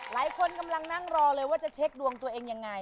หลายคนกำลังนั่งรอเลยว่าจะเช็คดวงตัวเองยังไง